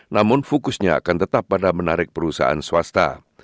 namun fokusnya akan tetap pada menarik perusahaan swasta